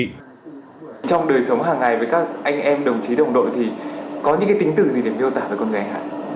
trong đời sống hàng ngày với các anh em đồng chí đồng đội thì có những tính từ gì để viêu tả với con gái hả